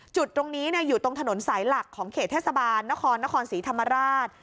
จุดตรงนี้อยู่ตรงถนนสายหลักของเขตเทศบาลนครนครศรีธรรมราช